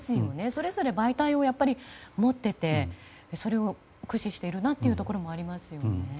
それぞれ媒体を持っていてそれを駆使しているなというところもありますよね。